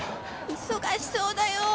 忙しそうだよ